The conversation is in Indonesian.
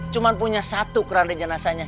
cuman punya satu keranda jenazahnya